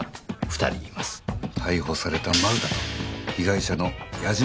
逮捕された丸田と被害者の八嶋運転手。